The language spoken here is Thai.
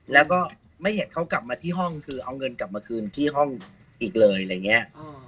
แล้วก็ไม่เห็นเขากลับมาที่ห้องคือเอาเงินกลับมาคืนที่ห้องอีกเลยอะไรอย่างนี้